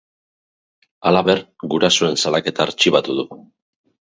Halaber, gurasoen salaketa artxibatu du.